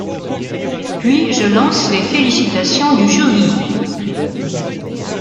Puis je lance les félicitations du jury.